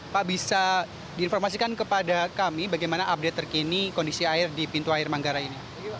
pak bisa diinformasikan kepada kami bagaimana update terkini kondisi air di pintu air manggarai ini